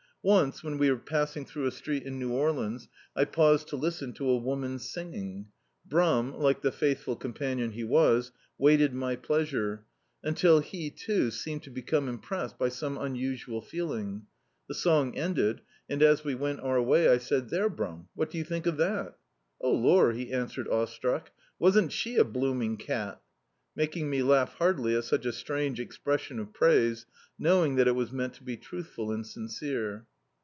Once when we were passing throu^ a street in New Orleans, I paused to listen to a woman sing ing. Brum, like the faithful companion he was, waited my pleasure, tmtil he too seemed to become impressed by some unusual feeling. The song ended, and as we went our way, I said — ^"Therc, Bnun, what do you think of that?" "O lor," he answered, awestruck, "wasn't she a blooming cat !" making me lau^ heartily at such a strange expres sion of praise, knowing that it was meant to be truth ful and sincere.